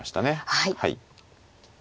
はい。